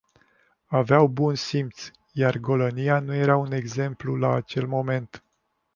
Aveau bun simț, iar golănia nu era un exemplu la acel moment.